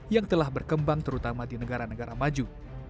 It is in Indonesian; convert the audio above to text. yang telah berkembang terutama di negara negara maju